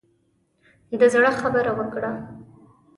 د زړه خبره وکړه.